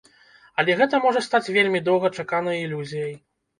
Але гэта можа стаць вельмі доўгачаканай ілюзіяй!